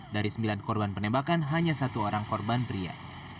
dari sembilan korban penembakan hanya satu orang korban pria